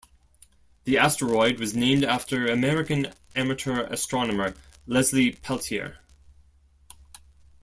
The asteroid was named after American amateur astronomer Leslie Peltier.